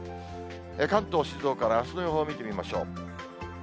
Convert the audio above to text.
関東、静岡のあすの予報見てみましょう。